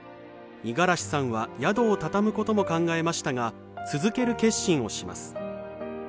五十嵐さんは宿を畳むことも考えましたが続ける決心をします。